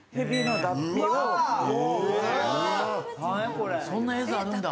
これ・・そんな映像あるんだ・